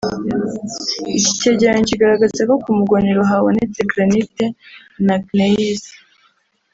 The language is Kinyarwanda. Iki cyegeranyo kigaragaza ko ku Mugonero habonetse Granite na Gneiss